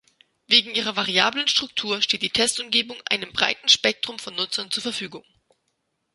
Wegen ihrer variablen Struktur steht die Testumgebung einem breiten Spektrum von Nutzern zur Verfügung.